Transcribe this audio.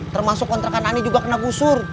termasuk kontrakan ani juga kena busur